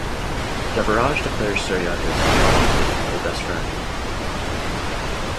Devaraj declares Surya his "Thalapthy", a best friend.